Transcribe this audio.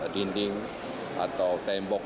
dinding atau tembok